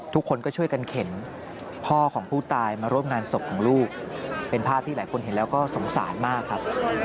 ทุกคนก็ช่วยกันเข็นพ่อของผู้ตายมาร่วมงานศพของลูกเป็นภาพที่หลายคนเห็นแล้วก็สงสารมากครับ